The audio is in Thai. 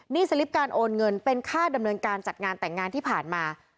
นี่สลิปการโอนเงินเป็นค่าดำเนินการจัดงานแต่งงานที่ผ่านมา